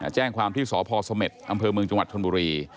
แจ้งความที่สพสเม็ดอำเภอเมืองจังหวัดชนบุรี